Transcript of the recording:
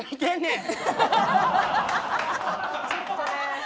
ちょっとね。